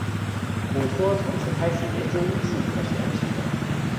古托从此开始研究巫术和玄学。